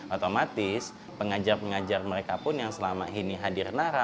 otomatis pengajar pengajar mereka pun yang selama ini hadir nara